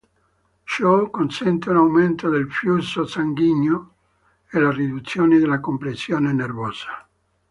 Ciò consente un aumento del flusso sanguigno e la riduzione della compressione nervosa.